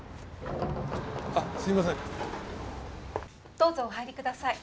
どうぞお入りください。